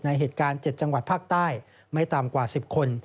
ในการเจ็ดจังหวัดภาคใต้ไม่ต่ำกว่า๑๐คน